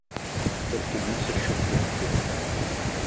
Perché dice sciocchezze.